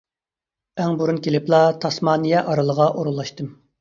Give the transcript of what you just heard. ئەڭ بۇرۇن كېلىپلا تاسمانىيە ئارىلىغا ئورۇنلاشتىم.